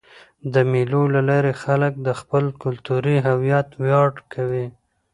د مېلو له لاري خلک د خپل کلتوري هویت ویاړ کوي.